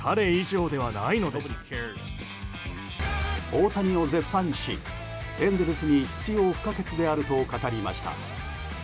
大谷を絶賛し、エンゼルスに必要不可欠であると語りました。